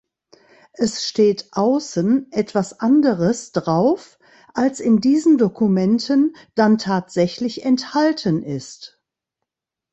Es steht außen etwas anderes drauf, als in diesen Dokumenten dann tatsächlich enthalten ist.